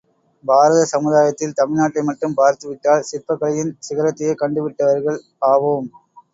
பாரத சமுதாயத்தில் தமிழ்நாட்டை மட்டும் பார்த்து விட்டால் சிற்பக் கலையின் சிகரத்தையே கண்டு விட்டவர்கள் ஆவோம்.